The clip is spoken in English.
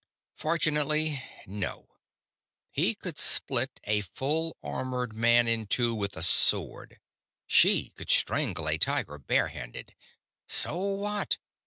"_ _"Fortunately, no. He could split a full armored man in two with a sword; she could strangle a tiger bare handed. So what?